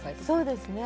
そうですね。